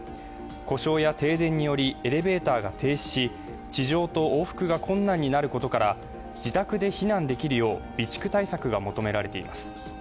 故障や停電によりエレベーターが停止し、地上と往復が困難になることから、自宅で避難できるよう備蓄対策が求められています。